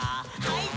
はい。